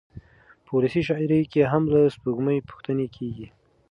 په ولسي شاعرۍ کې هم له سپوږمۍ پوښتنې کېږي.